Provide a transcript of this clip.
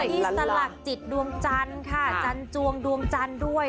อิสระจิตดวงจันทร์จันทร์จวงดวงจันทร์ด้วย